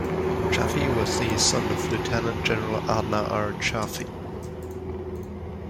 Chaffee was the son of Lieutenant General Adna R. Chaffee.